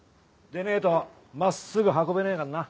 でねえと真っすぐ運べねえからな。